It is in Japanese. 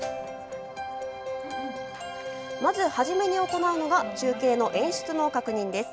まず初めに行うのが中継の演出の確認です。